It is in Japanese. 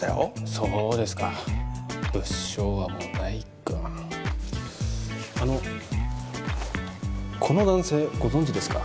そうですか物証はもうないかあのこの男性ご存じですか？